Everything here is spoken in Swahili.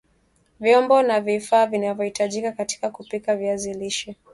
Vyombo na vifaa vinavyahitajika katika kupika viazi lishe